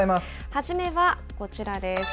はじめはこちらです。